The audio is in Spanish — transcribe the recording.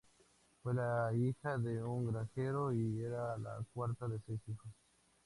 Fue la hija de un granjero y era la cuarta de seis hijos.